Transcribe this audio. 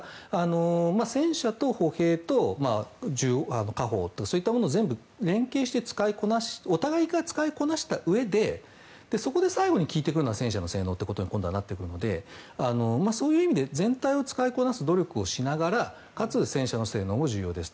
戦車と歩兵と火砲とそういったものを全部連携してお互いが使いこなしたうえでそこで最後に効いてくるのは戦車の性能と今度はなってくるのでそういう意味で全体を使いこなす努力をしながらかつ戦車の性能も重要ですと。